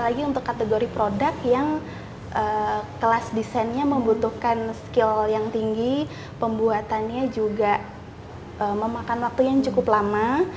jadi ini kategori produk yang kelas desainnya membutuhkan skill yang tinggi pembuatannya juga memakan waktunya yang cukup lama